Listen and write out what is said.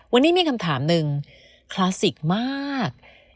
วันนี้มีคำถามหนึ่งคลาสสิกมาก